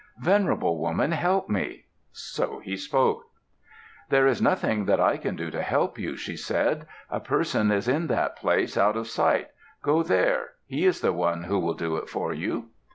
Venerable woman, help me." So he spoke. "There is nothing that I can do to help you," she said. "A person is in that place, out of sight. Go there. He is the one who will do it for you."